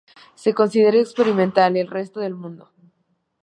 Se considera experimental en el resto del mundo.